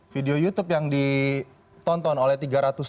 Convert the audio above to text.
video youtube yang ditonton oleh teluk